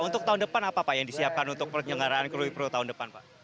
untuk tahun depan apa pak yang disiapkan untuk penyelenggaraan krui pro tahun depan pak